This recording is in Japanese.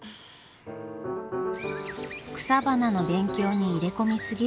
草花の勉強に入れ込み過ぎる万太郎。